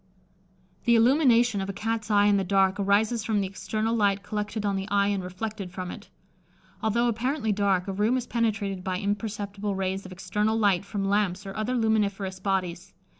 The illumination of a Cat's eye in the dark arises from the external light collected on the eye and reflected from it. Although apparently dark, a room is penetrated by imperceptible rays of external light from lamps or other luminiferous bodies.